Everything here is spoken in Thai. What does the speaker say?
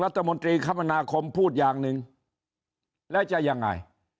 รัฐมนตรีคมนาคมพูดอย่างหนึ่งแล้วจะยังไง